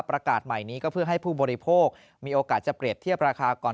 ประกาศใหม่นี้ก็เพื่อให้ผู้บริโภคมีโอกาสจะเปรียบเทียบราคาก่อน